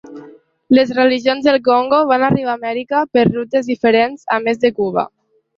Les religions del Congo van arribar a Amèrica per rutes diferents a més de Cuba.